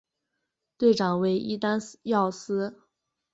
队长为伊丹耀司。